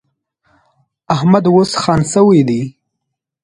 احمد اوس خان شوی دی.